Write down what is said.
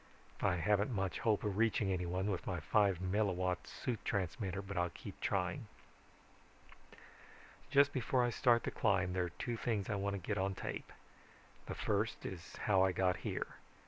I haven't much hope of reaching anyone with my five milliwatt suit transmitter but I'll keep trying. "Just before I start the climb there are two things I want to get on tape. The first is how I got here.